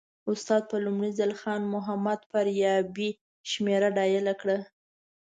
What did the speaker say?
استاد په لومړي ځل خان محمد فاریابي شمېره ډایل کړه.